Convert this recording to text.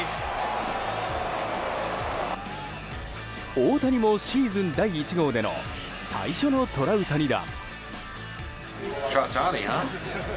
大谷もシーズン第１号での最初のトラウタニ弾。